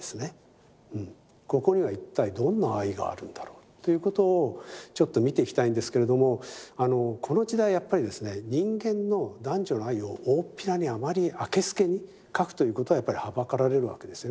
ここには一体どんな愛があるんだろうということをちょっと見ていきたいんですけれどもこの時代やっぱりですね人間の男女の愛を大っぴらにあまりあけすけに描くということはやっぱりはばかられるわけですよね。